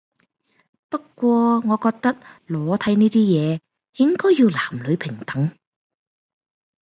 不過我覺得裸體呢樣嘢應該要男女平等